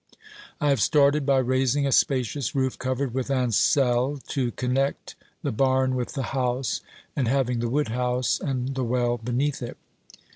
I have started by raising a spacious roof covered with ancelles to connect the barn with the house, and having the wood house and the well beneath it.